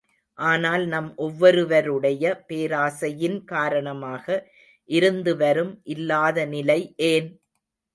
ஆனால் நம் ஒவ்வொருவருடைய பேராசையின் காரணமாக இருந்து வரும் இல்லாத நிலை ஏன்?